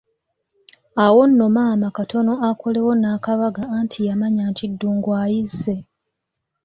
Awo nno maama katono akolewo n'akabaga anti yamanya nti Ddungu ayizze.